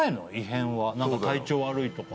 体調悪いとか。